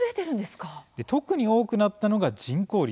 特に多くなったのが人工林。